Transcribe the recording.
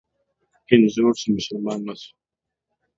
هندو زوړ سو ، مسلمان نه سو.